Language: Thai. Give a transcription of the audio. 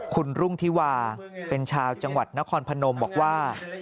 คุณรุ่งทิวาเป็นชาวจังหวัดนครพนมบอกว่า